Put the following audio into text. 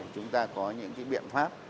chúng ta có những cái biện pháp